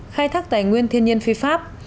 khai thác tài nguyên thiên nhiên phi pháp